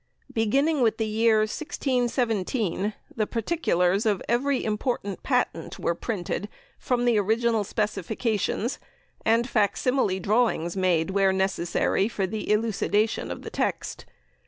Beginning with the year 1617 the particulars of every important patent were printed from the original specifications and fac simile drawings made, where necessary, for the elucidation of the text.